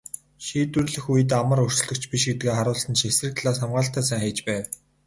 Шийдвэрлэх үед амар өрсөлдөгч биш гэдгээ харуулсан ч эсрэг талаас хамгаалалтаа сайн хийж байв.